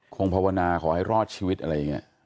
ภาวนาขอให้รอดชีวิตอะไรอย่างนี้